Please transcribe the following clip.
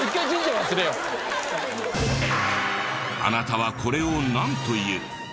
あなたはこれをなんと言う？